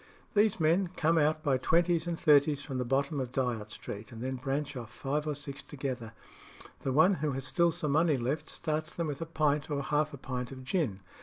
"These men come out by twenties and thirties from the bottom of Dyot Street, and then branch off five or six together. The one who has still some money left starts them with a pint or half a pint of gin.